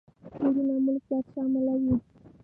کورونو ملکيت شاملوي.